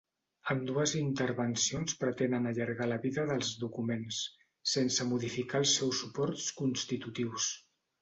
Ambdues intervencions pretenen allargar la vida dels documents, sense modificar els seus suports constitutius.